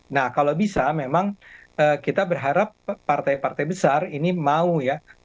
nah kalau bisa memang kita berharap partai partai besar ini mau ya